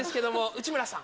内村さん。